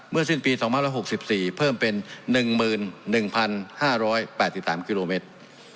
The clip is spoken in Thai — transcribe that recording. สิ้นปี๒๐๖๔เพิ่มเป็น๑๑๕๘๓กิโลเมตร